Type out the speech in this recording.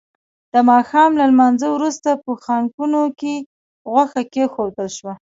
د ماښام له لمانځه وروسته په خانکونو کې غوښه کېښودل شوه.